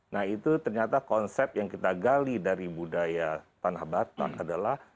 nah itu ternyata konsep yang kita gali dari budaya tanah batak adalah